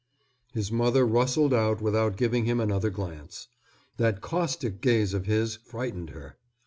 His mother rustled out without giving him another glance. That caustic gaze of his frightened her.